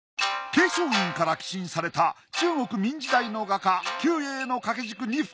桂昌院から寄進された中国明時代の画家仇英の掛軸二幅。